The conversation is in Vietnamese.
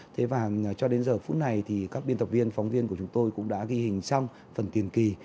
thế và cho đến giờ phút này thì các biên tập viên phóng viên của chúng tôi cũng đã ghi hình xong phần tiền kỳ